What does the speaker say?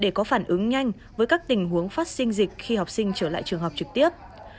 để có phản ứng nhanh với các tình huống phát sinh dịch khi học sinh trở lại trường học trực tiếp